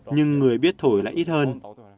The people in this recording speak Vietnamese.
nhưng người biết thổi lại ít hơn